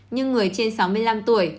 nhưng người trên sáu mươi năm tuổi